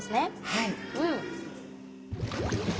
はい。